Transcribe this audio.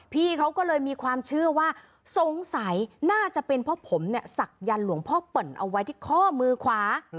พี่เขาก็เลยมีความเชื่อว่าสงสัยน่าจะเป็นเพราะผมเนี่ยศักยันต์หลวงพ่อเปิ่นเอาไว้ที่ข้อมือขวา